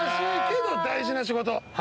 けど大事な仕事。